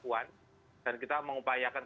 kalau diangkat kepres kita harus mengangkat kepres